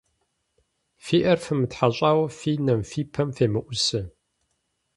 Фи Ӏэр фымытхьэщӀауэ фи нэм, фи пэм фемыӀусэ.